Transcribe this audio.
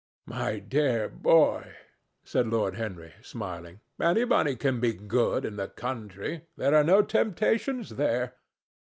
"My dear boy," said Lord Henry, smiling, "anybody can be good in the country. There are no temptations there.